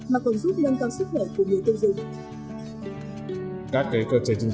mà còn giúp nâng cao sức khỏe của người tiêu dùng